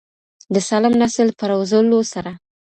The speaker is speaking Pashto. د سالم نسل په روزلو سره.